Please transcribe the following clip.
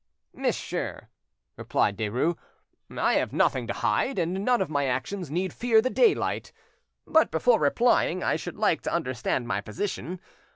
"Monsieur," replied Derues, "I have nothing to hide, and none of my actions need fear the daylight, but before replying, I should like to understand my position.